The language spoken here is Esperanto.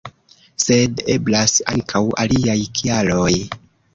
Sed eblas ankaŭ aliaj kialoj.